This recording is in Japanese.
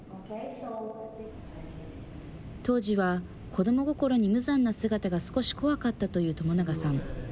当時は子ども心に無残な姿が少し怖かったという朝長さん。